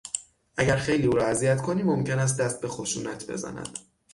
اگر خیلی او را اذیت کنی ممکن است دست به خشونت بزند.